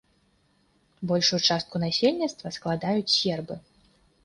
Большую частку насельніцтва складаюць сербы.